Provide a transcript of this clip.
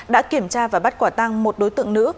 đã kiểm tra và bắt quả tăng một đối tượng nữ